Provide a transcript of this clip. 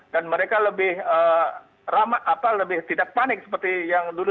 dan mereka lebih ramah lebih tidak panik seperti yang dulu